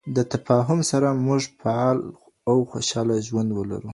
د تفاهم سره، موږ فعال او خوشحاله ژوند ولرو.